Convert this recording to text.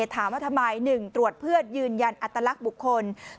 ถามว่าทำไม๑ตรวจเพื่อยืนยันอัตลักษณ์บุคคล